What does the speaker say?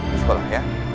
di sekolah ya